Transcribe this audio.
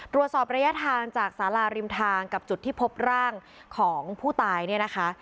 ตรวจสอบระยะทางจากสาราริมทางกับจุดที่พบร่างของผู้ตายเนี่ยนะคะ